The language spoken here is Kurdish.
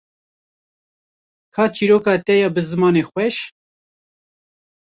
ka çîroka te ya bi zimanê xweş